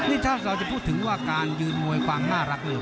นี่ถ้าเราจะพูดถึงว่าการยืนมวยความน่ารักเนี่ย